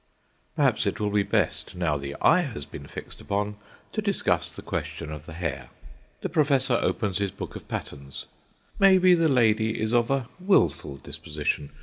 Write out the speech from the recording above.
Perhaps it will be best, now the eye has been fixed upon, to discuss the question of the hair. The professor opens his book of patterns. Maybe the lady is of a wilful disposition.